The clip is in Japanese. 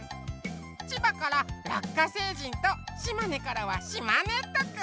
千葉からラッカ星人と島根からはしまねっとくん。